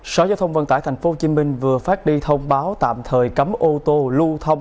sở giao thông vận tải tp hcm vừa phát đi thông báo tạm thời cấm ô tô lưu thông